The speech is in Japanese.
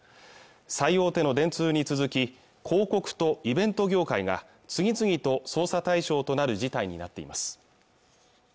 最大手の電通に続き広告とイベント業界が次々と捜査対象となる事態になっています